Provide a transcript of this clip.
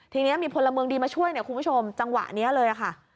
ทีนี้มีพลเมืองดีมาช่วยเนี่ยคุณผู้ชมจังหวะนี้เลยค่ะ